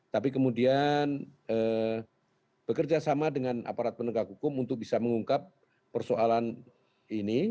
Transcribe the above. tapi kemudian bekerja sama dengan aparat penegak hukum untuk bisa mengungkap persoalan ini